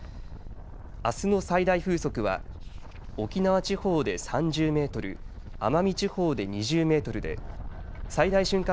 あすの最大風速は沖縄地方で３０メートル奄美地方で２０メートルで最大瞬間